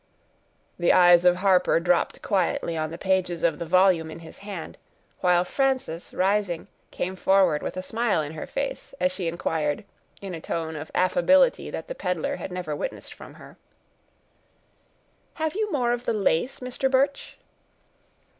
The eyes of Harper dropped quietly on the pages of the volume in his hand, while Frances, rising, came forward with a smile in her face, as she inquired, in a tone of affability that the peddler had never witnessed from her,— "Have you more of the lace, Mr. Birch?"